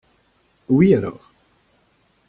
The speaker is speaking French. Oui alors.